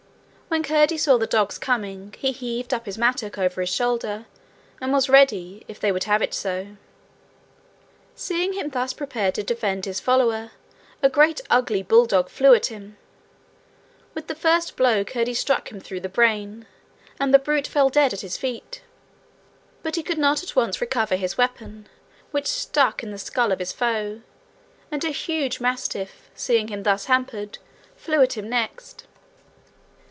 When Curdie saw the dogs coming he heaved up his mattock over his shoulder, and was ready, if they would have it so. Seeing him thus prepared to defend his follower, a great ugly bulldog flew at him. With the first blow Curdie struck him through the brain and the brute fell dead at his feet. But he could not at once recover his weapon, which stuck in the skull of his foe, and a huge mastiff, seeing him thus hampered, flew at him next.